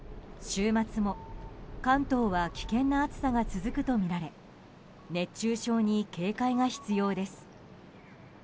週末も関東は危険な暑さが続くとみられ熱中症に警戒が必要です。